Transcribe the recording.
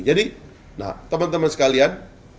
jadi teman teman sekalian